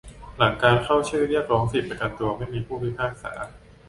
หลังการเข้าชื่อเรียกร้องสิทธิประกันตัว ไม่มีผู้พิพากษา